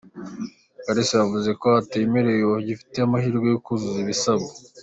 Kalisa yavuze ko abatemerewe bagifite amahirwe yo kuzuza ibisabwa.